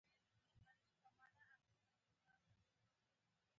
ګاز د افغانستان د جغرافیوي تنوع مثال دی.